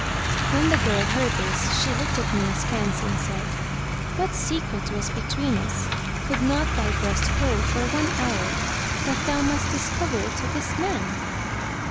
'" When the girl heard this, she looked at me askance and said, "What secret was between us could not thy breast hold for one hour, but thou must discover it to this man?"